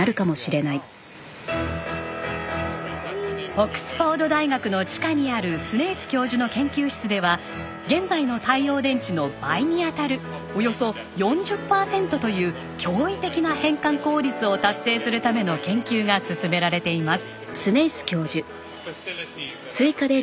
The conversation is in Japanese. オックスフォード大学の地下にあるスネイス教授の研究室では現在の太陽電池の倍に当たるおよそ４０パーセントという驚異的な変換効率を達成するための研究が進められています。